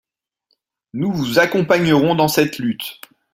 Nous vous accompagnerons dans cette lutte.